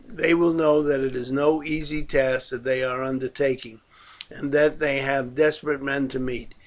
They will know that it is no easy task that they are undertaking, and that they have desperate men to meet.